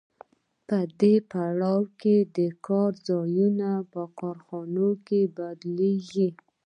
په دې پړاو کې د کار ځایونه په کارخانو بدلېږي